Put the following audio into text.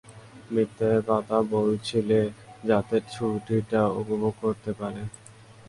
মিথ্যা কথা বলেছিল, যাতে ছুটিটা উপভোগ করতে পারে।